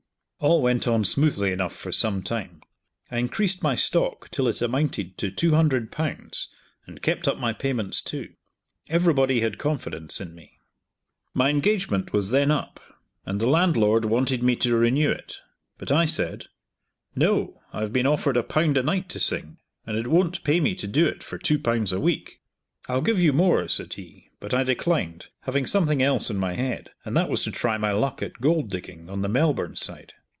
All went on smoothly enough for some time. I increased my stock till it amounted to two hundred pounds, and kept up my payments too. Everybody had confidence in me. My engagement was then up, and the landlord wanted me to renew it, but I said "No, I have been offered a pound a night to sing, and it won't pay me to do it for two pounds a week." "I'll give you more," said he, but I declined, having something else in my head, and that was to try my luck at gold digging on the Melbourne side.